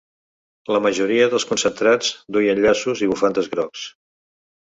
La majoria dels concentrats duien llaços i bufandes grocs.